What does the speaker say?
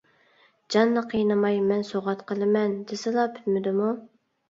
جاننى قىينىماي، مەن سوۋغات قىلىمەن دېسىلا پۈتمىدىمۇ؟!